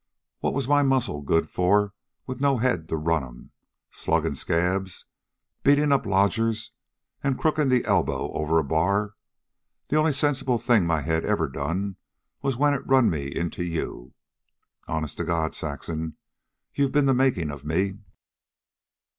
What was my muscles good for with no head to run 'em, sluggin' scabs, beatin' up lodgers, an' crookin' the elbow over a bar. The only sensible thing my head ever done was when it run me into you. Honest to God, Saxon, you've been the makin' of me."